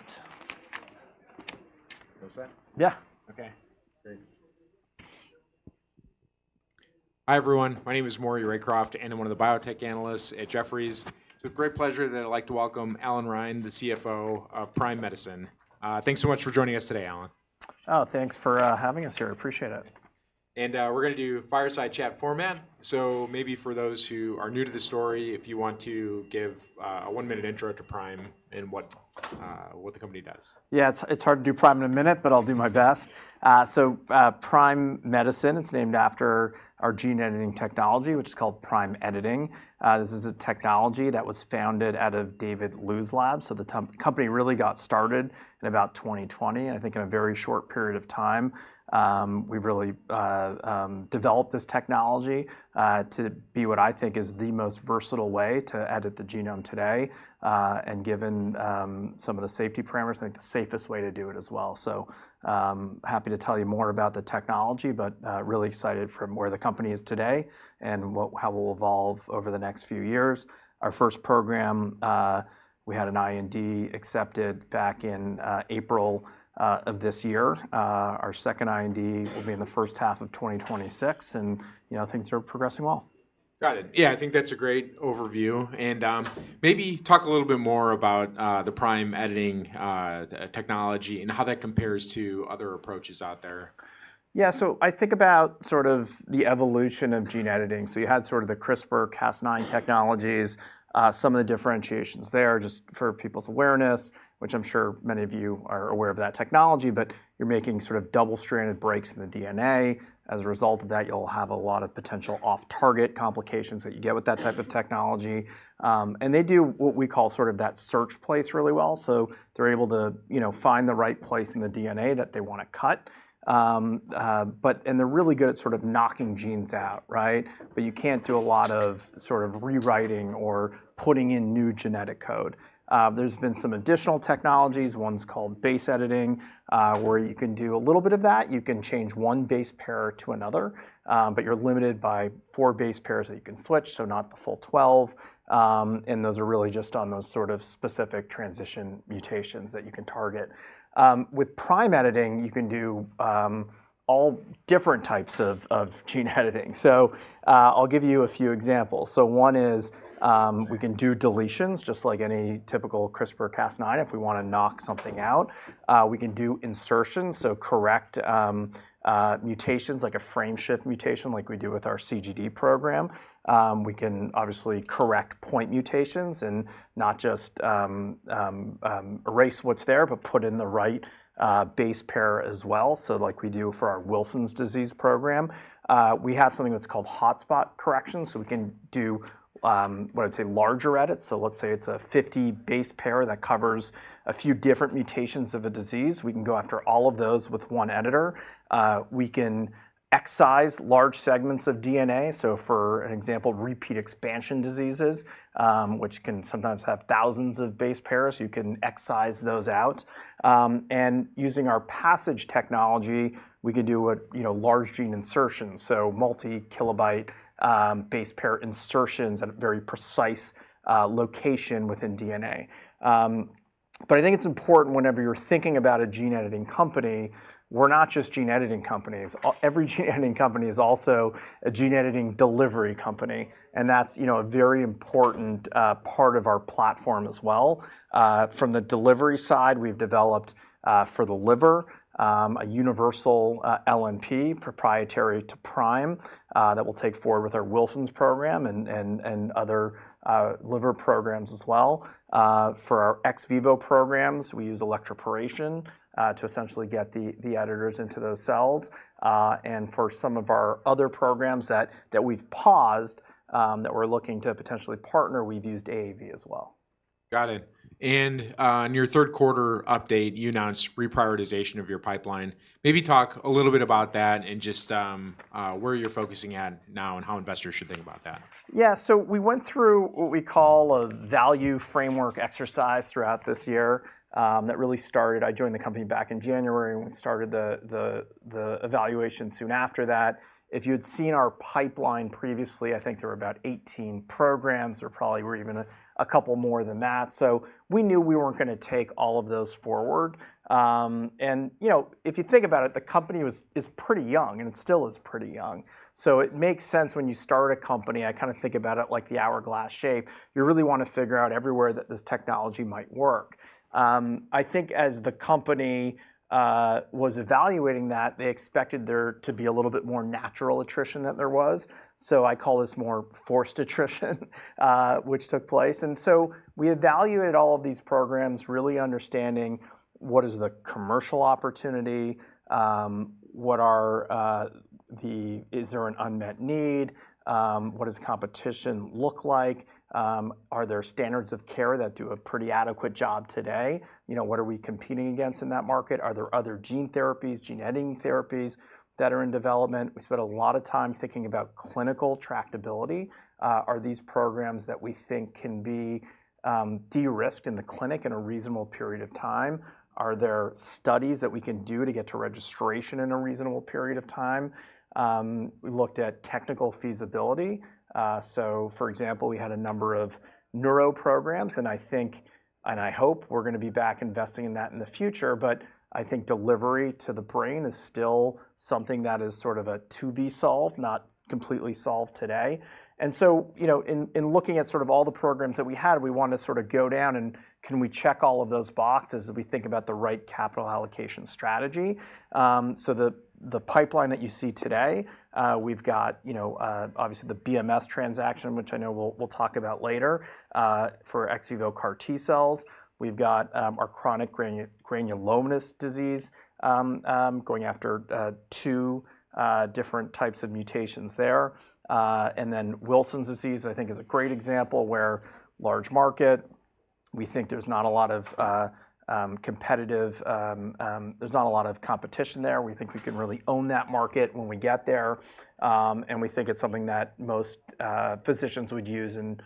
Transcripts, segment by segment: All right. What's that? Yeah. Okay. Great. Hi, everyone. My name is Maury Raycroft, and I'm one of the biotech analysts at Jefferies. It's a great pleasure that I'd like to welcome Allan Reine, the CFO of Prime Medicine. Thanks so much for joining us today, Allan. Oh, thanks for having us here. I appreciate it. We're going to do fireside chat format. Maybe for those who are new to the story, if you want to give a one-minute intro to Prime and what the company does? Yeah, it's hard to do Prime in a minute, but I'll do my best, so Prime Medicine, it's named after our gene editing technology, which is called Prime Editing. This is a technology that was founded out of David Liu's lab, so the company really got started in about 2020, and I think in a very short period of time, we've really developed this technology to be what I think is the most versatile way to edit the genome today, and given some of the safety parameters, I think the safest way to do it as well, so happy to tell you more about the technology, but really excited from where the company is today and how we'll evolve over the next few years. Our first program, we had an IND accepted back in April of this year. Our second IND will be in the first half of 2026. Things are progressing well. Got it. Yeah, I think that's a great overview and maybe talk a little bit more about the Prime Editing technology and how that compares to other approaches out there? Yeah, so I think about sort of the evolution of gene editing. So you had sort of the CRISPR-Cas9 technologies, some of the differentiations there just for people's awareness, which I'm sure many of you are aware of that technology. But you're making sort of double-stranded breaks in the DNA. As a result of that, you'll have a lot of potential off-target complications that you get with that type of technology. And they do what we call sort of that search-and-replace really well. So they're able to find the right place in the DNA that they want to cut. And they're really good at sort of knocking genes out, right? But you can't do a lot of sort of rewriting or putting in new genetic code. There's been some additional technologies. One's called base editing, where you can do a little bit of that. You can change one base pair to another, but you're limited by four base pairs that you can switch, so not the full 12. And those are really just on those sort of specific transition mutations that you can target. With Prime Editing, you can do all different types of gene editing. So I'll give you a few examples. So one is we can do deletions, just like any typical CRISPR-Cas9, if we want to knock something out. We can do insertions, so correct mutations, like a frameshift mutation, like we do with our CGD program. We can obviously correct point mutations and not just erase what's there, but put in the right base pair as well, so like we do for our Wilson's disease program. We have something that's called hotspot correction. So we can do, what I'd say, larger edits. So let's say it's a 50 base pair that covers a few different mutations of a disease. We can go after all of those with one editor. We can excise large segments of DNA. So for an example, repeat expansion diseases, which can sometimes have thousands of base pairs, you can excise those out. And using our PASSIGE technology, we can do large gene insertions, so multi-kilobase base pair insertions at a very precise location within DNA. But I think it's important whenever you're thinking about a gene editing company, we're not just gene editing companies. Every gene editing company is also a gene editing delivery company. And that's a very important part of our platform as well. From the delivery side, we've developed for the liver a universal LNP proprietary to Prime that we'll take forward with our Wilson's program and other liver programs as well. For our ex vivo programs, we use electroporation to essentially get the editors into those cells, and for some of our other programs that we've paused, that we're looking to potentially partner, we've used AAV as well. Got it. In your third quarter update, you announced reprioritization of your pipeline. Maybe talk a little bit about that and just where you're focusing at now and how investors should think about that? Yeah, so we went through what we call a value framework exercise throughout this year that really started. I joined the company back in January. We started the evaluation soon after that. If you had seen our pipeline previously, I think there were about 18 programs or probably were even a couple more than that. So we knew we weren't going to take all of those forward. And if you think about it, the company is pretty young, and it still is pretty young. So it makes sense when you start a company. I kind of think about it like the hourglass shape. You really want to figure out everywhere that this technology might work. I think as the company was evaluating that, they expected there to be a little bit more natural attrition than there was. So I call this more forced attrition, which took place. And so we evaluated all of these programs, really understanding what is the commercial opportunity, is there an unmet need, what does competition look like, are there standards of care that do a pretty adequate job today, what are we competing against in that market, are there other gene therapies, gene editing therapies that are in development. We spent a lot of time thinking about clinical tractability. Are these programs that we think can be de-risked in the clinic in a reasonable period of time? Are there studies that we can do to get to registration in a reasonable period of time? We looked at technical feasibility. For example, we had a number of neuro programs, and I think, and I hope we're going to be back investing in that in the future, but I think delivery to the brain is still something that is sort of a to-be solved, not completely solved today. And so in looking at sort of all the programs that we had, we wanted to sort of go down and can we check all of those boxes as we think about the right capital allocation strategy. The pipeline that you see today, we've got obviously the BMS transaction, which I know we'll talk about later, for ex vivo CAR T cells. We've got our chronic granulomatous disease going after two different types of mutations there. And then Wilson's disease, I think, is a great example where large market, we think there's not a lot of competitive, there's not a lot of competition there. We think we can really own that market when we get there. And we think it's something that most physicians would use in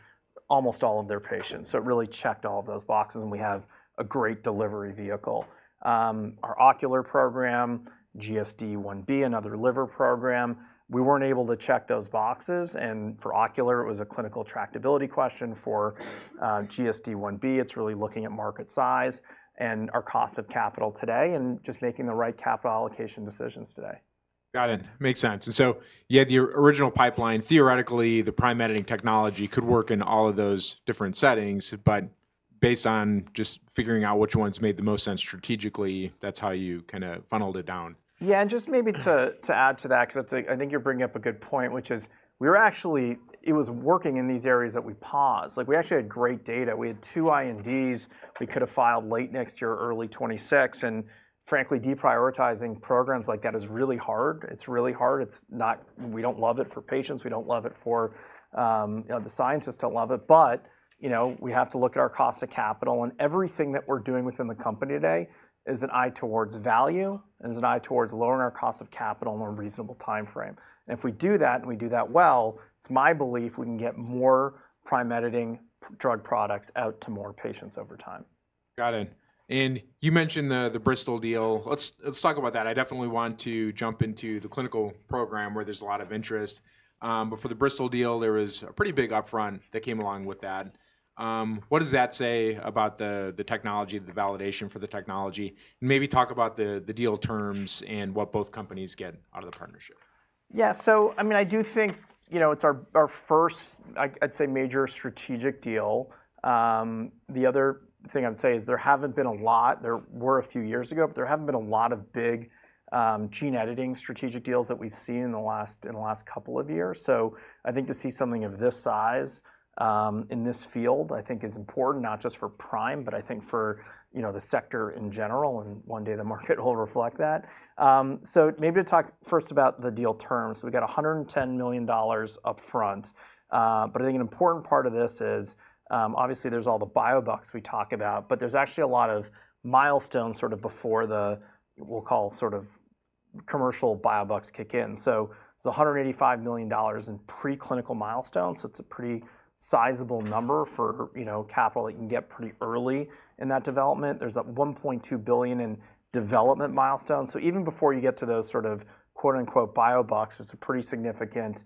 almost all of their patients. So it really checked all of those boxes, and we have a great delivery vehicle. Our ocular program, GSD1b, another liver program, we weren't able to check those boxes. And for ocular, it was a clinical tractability question. For GSD1b, it's really looking at market size and our cost of capital today and just making the right capital allocation decisions today. Got it. Makes sense. And so you had your original pipeline. Theoretically, the Prime Editing technology could work in all of those different settings, but based on just figuring out which ones made the most sense strategically, that's how you kind of funneled it down? Yeah, and just maybe to add to that, because I think you're bringing up a good point, which is we were actually, it was working in these areas that we paused. We actually had great data. We had two INDs. We could have filed late next year, early 2026. And frankly, deprioritizing programs like that is really hard. It's really hard. We don't love it for patients. We don't love it for the scientists to love it. But we have to look at our cost of capital. And everything that we're doing within the company today is an eye towards value and is an eye towards lowering our cost of capital in a reasonable time frame. And if we do that, and we do that well, it's my belief we can get more Prime Editing drug products out to more patients over time. Got it. And you mentioned the Bristol deal. Let's talk about that. I definitely want to jump into the clinical program where there's a lot of interest. But for the Bristol deal, there was a pretty big upfront that came along with that. What does that say about the technology, the validation for the technology? And maybe talk about the deal terms and what both companies get out of the partnership? Yeah, so I mean, I do think it's our first, I'd say, major strategic deal. The other thing I'd say is there haven't been a lot. There were a few years ago, but there haven't been a lot of big gene editing strategic deals that we've seen in the last couple of years. So I think to see something of this size in this field, I think, is important, not just for Prime, but I think for the sector in general. And one day, the market will reflect that. So maybe to talk first about the deal terms. So we got $110 million upfront. But I think an important part of this is, obviously, there's all the biobucks we talk about, but there's actually a lot of milestones sort of before the, we'll call it sort of commercial biobucks kick in. So it's $185 million in preclinical milestones. So it's a pretty sizable number for capital that you can get pretty early in that development. There's $1.2 billion in development milestones. So even before you get to those sort of quote-unquote biobucks, it's a pretty significant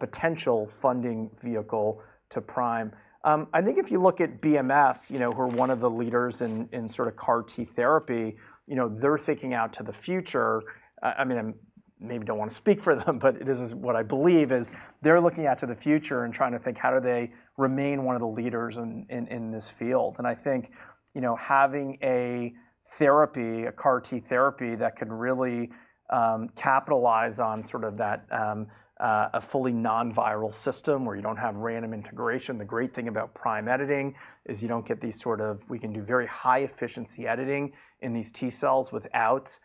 potential funding vehicle to Prime. I think if you look at BMS, who are one of the leaders in sort of CAR T therapy, they're thinking out to the future. I mean, I maybe don't want to speak for them, but this is what I believe is they're looking out to the future and trying to think, how do they remain one of the leaders in this field? And I think having a therapy, a CAR T therapy that can really capitalize on sort of that, a fully non-viral system where you don't have random integration. The great thing about Prime Editing is you don't get these sort of. We can do very high-efficiency editing in these T cells without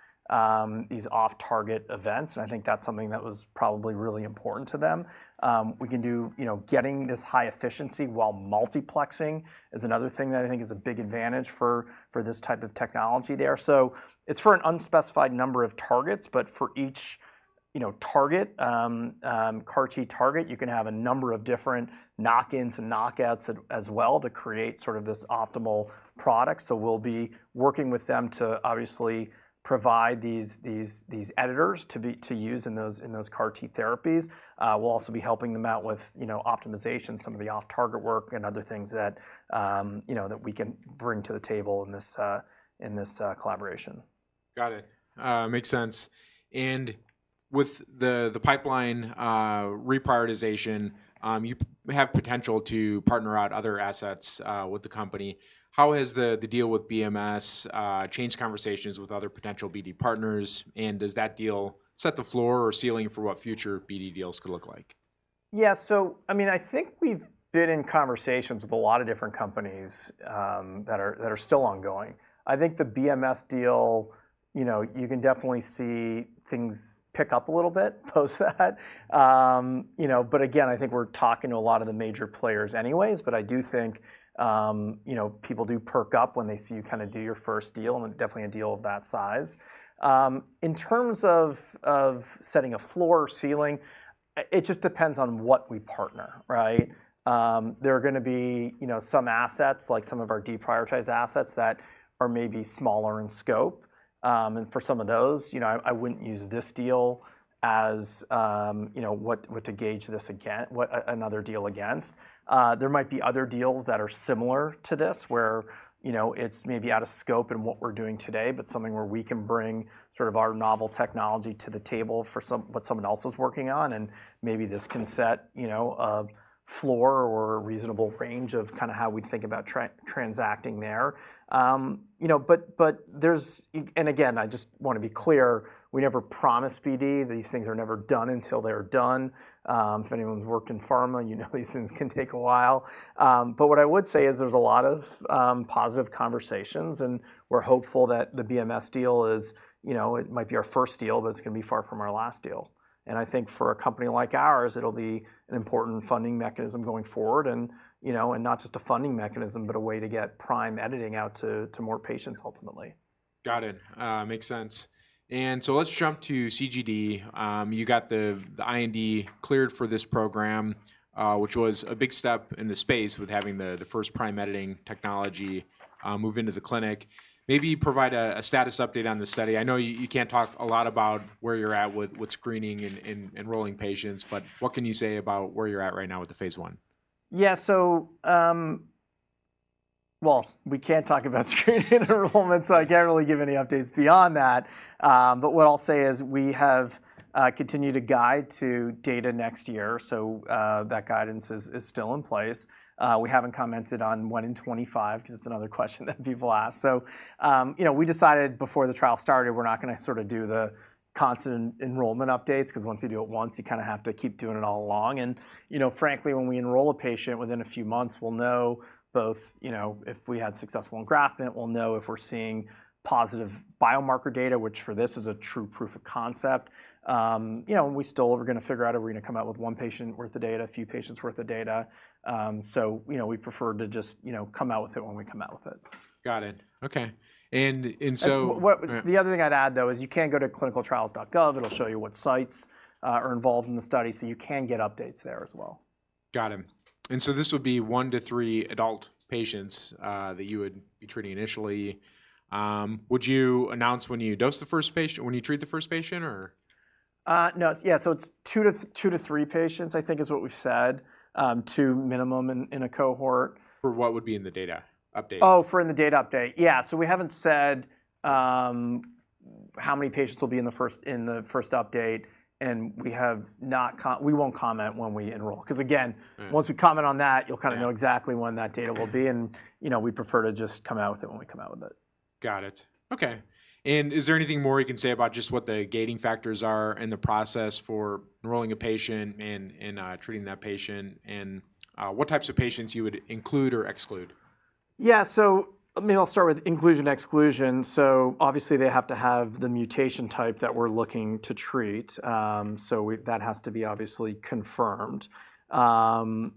these off-target events. And I think that's something that was probably really important to them. We can do getting this high efficiency while multiplexing is another thing that I think is a big advantage for this type of technology there. So it's for an unspecified number of targets, but for each target, CAR T target, you can have a number of different knock-ins and knock-outs as well to create sort of this optimal product. So we'll be working with them to obviously provide these editors to use in those CAR T therapies. We'll also be helping them out with optimization, some of the off-target work and other things that we can bring to the table in this collaboration. Got it. Makes sense. And with the pipeline reprioritization, you have potential to partner out other assets with the company. How has the deal with BMS changed conversations with other potential BD partners? And does that deal set the floor or ceiling for what future BD deals could look like? Yeah, so I mean, I think we've been in conversations with a lot of different companies that are still ongoing. I think the BMS deal, you can definitely see things pick up a little bit post that. But again, I think we're talking to a lot of the major players anyways. But I do think people do perk up when they see you kind of do your first deal, and definitely a deal of that size. In terms of setting a floor or ceiling, it just depends on what we partner, right? There are going to be some assets, like some of our deprioritized assets that are maybe smaller in scope. And for some of those, I wouldn't use this deal as what to gauge this another deal against. There might be other deals that are similar to this where it's maybe out of scope in what we're doing today, but something where we can bring sort of our novel technology to the table for what someone else is working on, and maybe this can set a floor or a reasonable range of kind of how we'd think about transacting there, but there's, and again, I just want to be clear, we never promised BD. These things are never done until they're done. If anyone's worked in pharma, you know these things can take a while, but what I would say is there's a lot of positive conversations, and we're hopeful that the BMS deal is, it might be our first deal, but it's going to be far from our last deal. I think for a company like ours, it'll be an important funding mechanism going forward and not just a funding mechanism, but a way to get Prime Editing out to more patients ultimately. Got it. Makes sense, and so let's jump to CGD. You got the IND cleared for this program, which was a big step in the space with having the first Prime Editing technology move into the clinic. Maybe provide a status update on the study. I know you can't talk a lot about where you're at with screening and enrolling patients, but what can you say about where you're at right now with the phase I? Yeah, so well, we can't talk about screening and enrollment, so I can't really give any updates beyond that. But what I'll say is we have continued to guide to data next year. So that guidance is still in place. We haven't commented on when in 2025 because it's another question that people ask. So we decided before the trial started, we're not going to sort of do the constant enrollment updates because once you do it once, you kind of have to keep doing it all along. And frankly, when we enroll a patient within a few months, we'll know both if we had successful engraftment, we'll know if we're seeing positive biomarker data, which for this is a true proof of concept. And we still are going to figure out if we're going to come out with one patient worth of data, a few patients worth of data. We prefer to just come out with it when we come out with it. Got it. Okay. And so. The other thing I'd add, though, is you can go to ClinicalTrials.gov. It'll show you what sites are involved in the study, so you can get updates there as well. Got it. And so this would be one to three adult patients that you would be treating initially. Would you announce when you dose the first patient, when you treat the first patient, or? No. Yeah, so it's two to three patients, I think, is what we've said, two minimum in a cohort. For what would be in the data update? Oh, for the data update. Yeah. So we haven't said how many patients will be in the first update. And we won't comment when we enroll. Because again, once we comment on that, you'll kind of know exactly when that data will be. And we prefer to just come out with it when we come out with it. Got it. Okay. And is there anything more you can say about just what the gating factors are in the process for enrolling a patient and treating that patient and what types of patients you would include or exclude? Yeah, so I mean, I'll start with inclusion and exclusion. So obviously, they have to have the mutation type that we're looking to treat. So that has to be obviously confirmed. You'll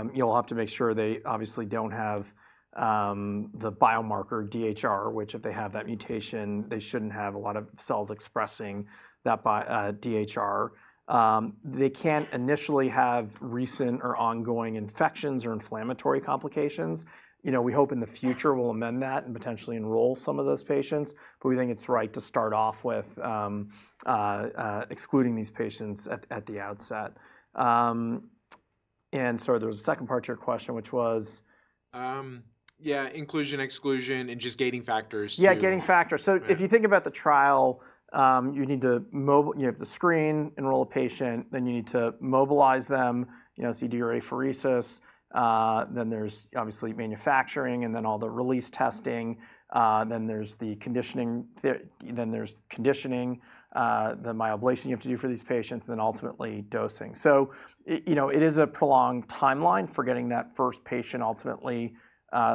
have to make sure they obviously don't have the biomarker DHR, which if they have that mutation, they shouldn't have a lot of cells expressing that DHR. They can't initially have recent or ongoing infections or inflammatory complications. We hope in the future we'll amend that and potentially enroll some of those patients. But we think it's right to start off with excluding these patients at the outset. And so there was a second part to your question, which was. Yeah, inclusion, exclusion, and just gating factors. Yeah, gating factors. So if you think about the trial, you have to screen, enroll a patient, then you need to mobilize them, so you do your apheresis. Then there's obviously manufacturing and then all the release testing. Then there's the conditioning, the myeloablation you have to do for these patients, and then ultimately dosing. So it is a prolonged timeline for getting that first patient ultimately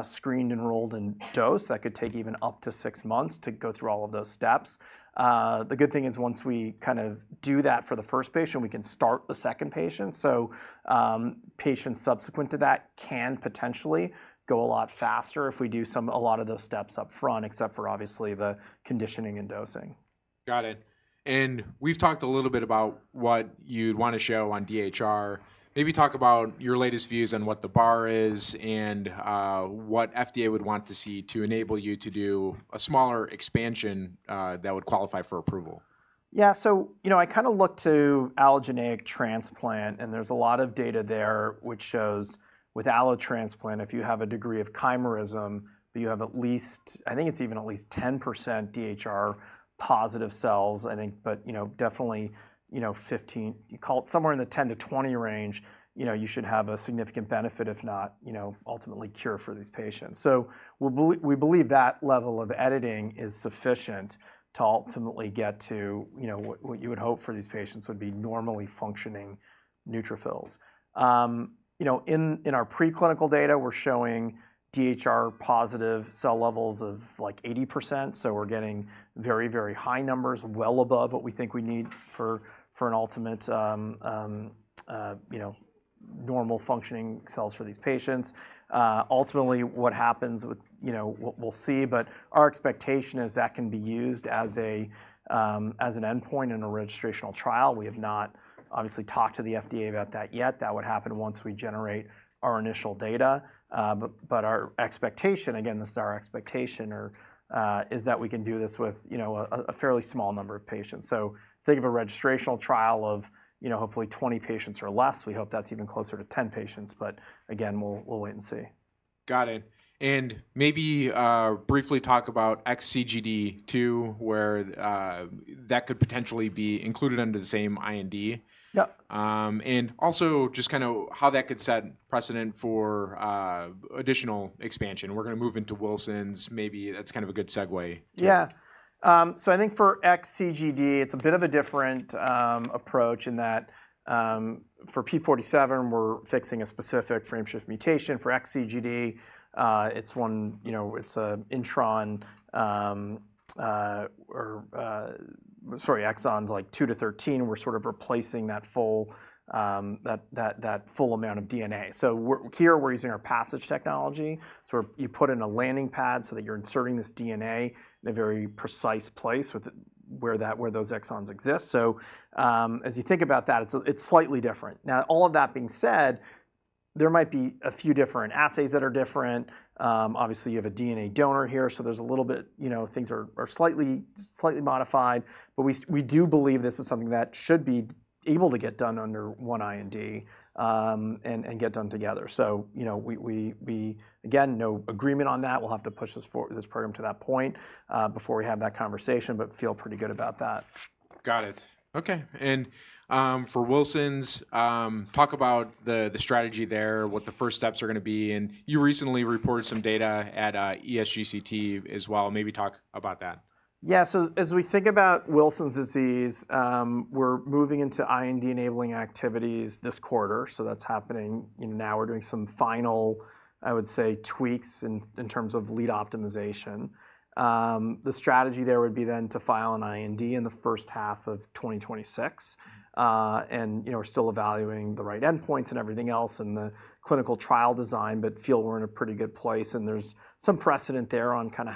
screened, enrolled, and dosed. That could take even up to six months to go through all of those steps. The good thing is once we kind of do that for the first patient, we can start the second patient. So patients subsequent to that can potentially go a lot faster if we do a lot of those steps upfront, except for obviously the conditioning and dosing. Got it. And we've talked a little bit about what you'd want to show on DHR. Maybe talk about your latest views on what the bar is and what FDA would want to see to enable you to do a smaller expansion that would qualify for approval. Yeah, so I kind of looked to allogeneic transplant, and there's a lot of data there which shows with allotransplant, if you have a degree of chimerism, you have at least, I think it's even at least 10% DHR positive cells, I think, but definitely 15%, you call it somewhere in the 10%-20% range, you should have a significant benefit, if not ultimately cure for these patients. So we believe that level of editing is sufficient to ultimately get to what you would hope for these patients would be normally functioning neutrophils. In our preclinical data, we're showing DHR positive cell levels of like 80%. So we're getting very, very high numbers, well above what we think we need for an ultimate normal functioning cells for these patients. Ultimately, what happens, we'll see, but our expectation is that can be used as an endpoint in a registrational trial. We have not, obviously, talked to the FDA about that yet. That would happen once we generate our initial data. But our expectation, again, this is our expectation, is that we can do this with a fairly small number of patients. So think of a registrational trial of hopefully 20 patients or less. We hope that's even closer to 10 patients. But again, we'll wait and see. Got it. And maybe briefly talk about X-CGD, where that could potentially be included under the same IND. Yep. And also just kind of how that could set precedent for additional expansion. We're going to move into Wilson's. Maybe that's kind of a good segue? Yeah. So I think for X-CGD, it's a bit of a different approach in that for p47, we're fixing a specific frame shift mutation. For X-CGD, it's one, it's an intron or, sorry, exons like 2 to 13. We're sort of replacing that full amount of DNA. So here, we're using our PASSIGE technology. So you put in a landing pad so that you're inserting this DNA in a very precise place where those exons exist. So as you think about that, it's slightly different. Now, all of that being said, there might be a few different assays that are different. Obviously, you have a DNA donor here. So there's a little bit, things are slightly modified. But we do believe this is something that should be able to get done under one IND and get done together. So we, again, no agreement on that. We'll have to push this program to that point before we have that conversation, but feel pretty good about that. Got it. Okay. And for Wilson's, talk about the strategy there, what the first steps are going to be. And you recently reported some data at ESGCT as well. Maybe talk about that? Yeah, so as we think about Wilson's disease, we're moving into IND-enabling activities this quarter, so that's happening now. We're doing some final, I would say, tweaks in terms of lead optimization. The strategy there would be then to file an IND in the first half of 2026, and we're still evaluating the right endpoints and everything else and the clinical trial design, but feel we're in a pretty good place, and there's some precedent there on kind of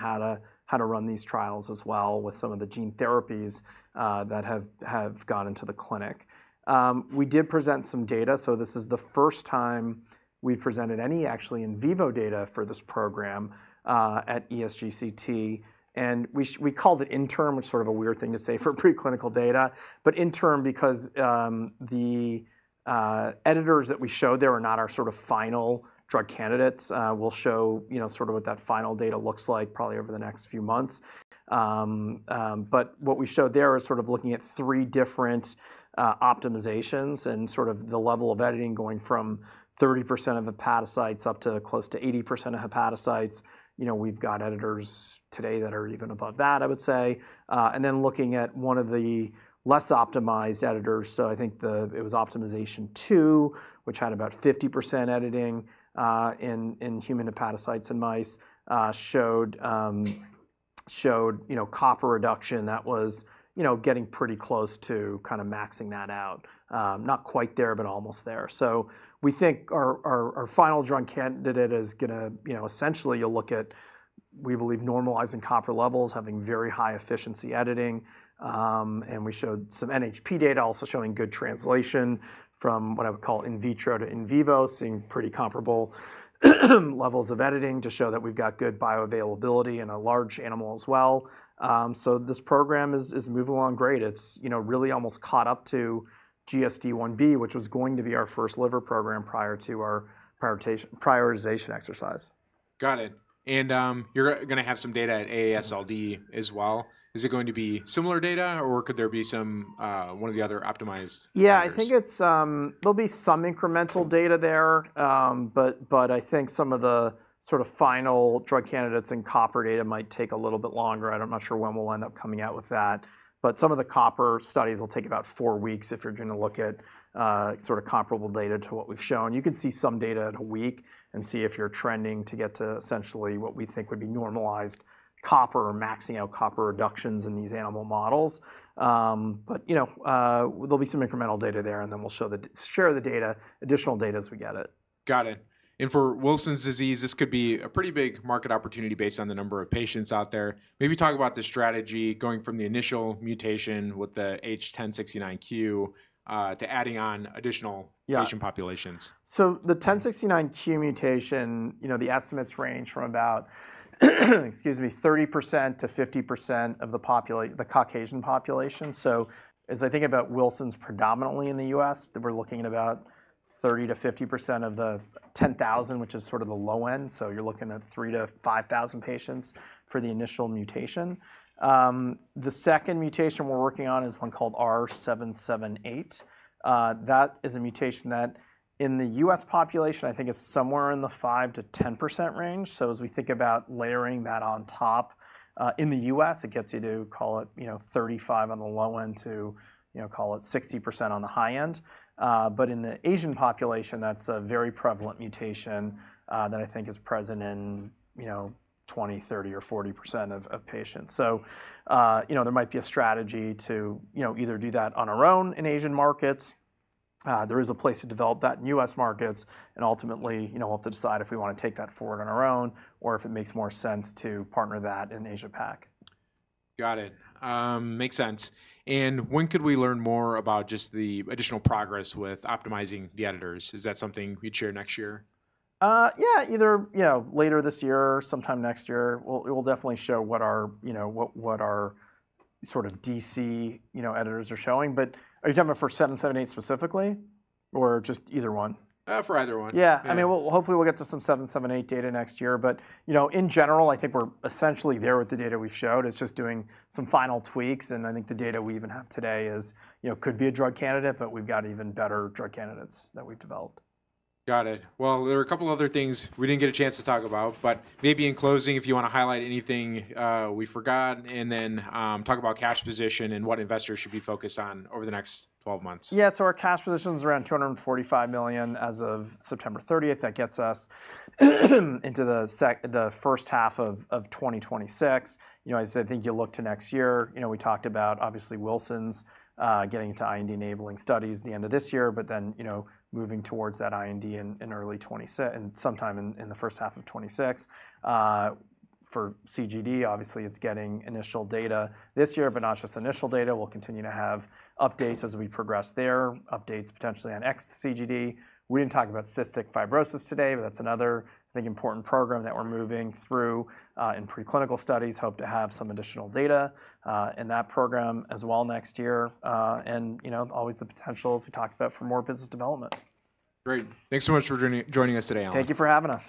how to run these trials as well with some of the gene therapies that have gone into the clinic. We did present some data, so this is the first time we've presented any actually in vivo data for this program at ESGCT. And we called it interim, which is sort of a weird thing to say for preclinical data, but interim because the editors that we showed there are not our sort of final drug candidates. We'll show sort of what that final data looks like probably over the next few months. But what we showed there is sort of looking at three different optimizations and sort of the level of editing going from 30% of hepatocytes up to close to 80% of hepatocytes. We've got editors today that are even above that, I would say. And then looking at one of the less optimized editors. So I think it was optimization two, which had about 50% editing in human hepatocytes and mice, showed copper reduction. That was getting pretty close to kind of maxing that out. Not quite there, but almost there. We think our final drug candidate is going to essentially you'll look at, we believe, normalizing copper levels, having very high efficiency editing. We showed some NHP data also showing good translation from what I would call in vitro to in vivo, seeing pretty comparable levels of editing to show that we've got good bioavailability in a large animal as well. This program is moving along great. It's really almost caught up to GSD1b, which was going to be our first liver program prior to our prioritization exercise. Got it. And you're going to have some data at AASLD as well. Is it going to be similar data, or could there be some of the other optimized? Yeah, I think there'll be some incremental data there. But I think some of the sort of final drug candidates and copper data might take a little bit longer. I'm not sure when we'll end up coming out with that. But some of the copper studies will take about four weeks if you're going to look at sort of comparable data to what we've shown. You can see some data in a week and see if you're trending to get to essentially what we think would be normalized copper or maxing out copper reductions in these animal models. But there'll be some incremental data there, and then we'll share the data, additional data as we get it. Got it. And for Wilson's disease, this could be a pretty big market opportunity based on the number of patients out there. Maybe talk about the strategy going from the initial mutation with the H1069Q to adding on additional patient populations. So the H1069Q mutation, the estimates range from about, excuse me, 30%-50% of the Caucasian population. So as I think about Wilson's predominantly in the US, we're looking at about 30%-50% of the 10,000, which is sort of the low end. So you're looking at 3,000-5,000 patients for the initial mutation. The second mutation we're working on is one called R778. That is a mutation that in the U.S. population, I think is somewhere in the 5%-10% range. So as we think about layering that on top, in the US, it gets you to call it 35% on the low end to call it 60% on the high end. But in the Asian population, that's a very prevalent mutation that I think is present in 20%, 30%, or 40% of patients. So there might be a strategy to either do that on our own in Asian markets. There is a place to develop that in U.S. markets, and ultimately, we'll have to decide if we want to take that forward on our own or if it makes more sense to partner that in Asia-Pac. Got it. Makes sense. And when could we learn more about just the additional progress with optimizing the editors? Is that something you'd share next year? Yeah, either later this year or sometime next year. We'll definitely show what our sort of PE editors are showing. But are you talking about for 778 specifically or just either one? For either one. Yeah. I mean, hopefully, we'll get to some R778 data next year. But in general, I think we're essentially there with the data we've showed. It's just doing some final tweaks. And I think the data we even have today could be a drug candidate, but we've got even better drug candidates that we've developed. Got it. Well, there are a couple of other things we didn't get a chance to talk about. But maybe in closing, if you want to highlight anything we forgot, and then talk about cash position and what investors should be focused on over the next 12 months. Yeah, so our cash position is around $245 million as of September 30th. That gets us into the first half of 2026. I think you look to next year. We talked about obviously Wilson's getting into IND-enabling studies at the end of this year, but then moving towards that IND in early 2026 and sometime in the first half of 2026. For CGD, obviously, it's getting initial data this year, but not just initial data. We'll continue to have updates as we progress there, updates potentially on X-CGD. We didn't talk about cystic fibrosis today, but that's another, I think, important program that we're moving through in preclinical studies. Hope to have some additional data in that program as well next year. And always the potential as we talked about for more business development. Great. Thanks so much for joining us today, Allan. Thank you for having us.